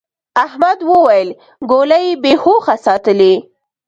احمد وويل: گولۍ بې هوښه ساتلې.